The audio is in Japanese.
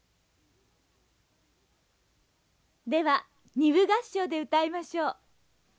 では二部合唱で歌いましょう。